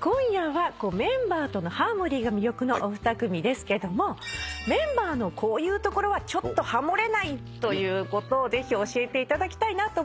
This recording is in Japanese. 今夜はメンバーとのハーモニーが魅力のお二組ですけどもメンバーのこういうところはちょっとハモれないということをぜひ教えていただきたいなと思います。